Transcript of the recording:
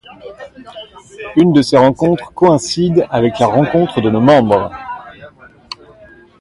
Une de ces rencontres coïncide avec la rencontre de nos membres.